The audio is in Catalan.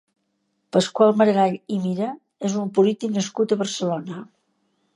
Pasqual Maragall i Mira és un polític nascut a Barcelona.